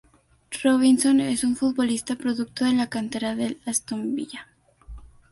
Robinson es un futbolista producto de la cantera del Aston Villa.